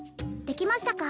できましたか？